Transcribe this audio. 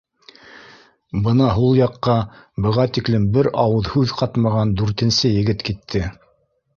Бына һул яҡҡа быға тиклем бер ауыҙ һүҙ ҡатмаған дүртенсе егет китте